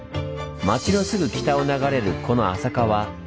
町のすぐ北を流れるこの浅川。